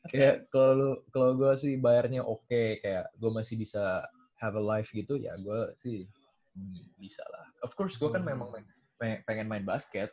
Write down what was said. kayak kalo gua sih bayarnya oke kayak gua masih bisa have a life gitu ya gua sih bisa lah of course gua kan memang pengen main basket